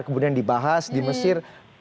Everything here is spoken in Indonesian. kemudian dibahas di mesir